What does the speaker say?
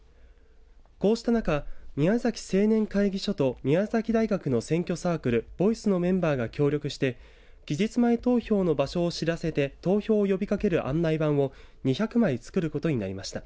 こうした中、宮崎青年会議所と宮崎大学の選挙サークルＶＯＩＣＥのメンバーが協力して期日前投票の場所を知らせて投票を呼びかける案内板を２００枚作ることになりました。